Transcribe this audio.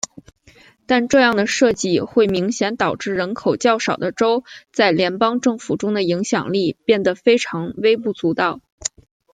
但这样的设计会明显导致人口较少的州在联邦政府中的影响力变得非常微不足道。